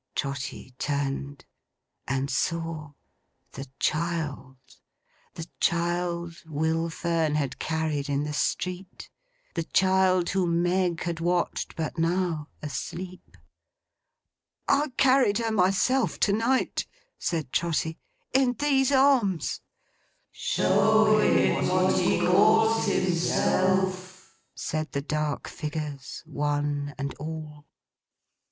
Trotty turned, and saw—the child! The child Will Fern had carried in the street; the child whom Meg had watched, but now, asleep! 'I carried her myself, to night,' said Trotty. 'In these arms!' 'Show him what he calls himself,' said the dark figures, one and all.